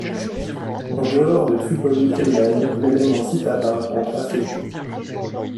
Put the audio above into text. En dehors de Tripoli elle-même, l'élément citadin compte assez peu.